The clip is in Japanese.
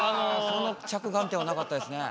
その着眼点はなかったですね。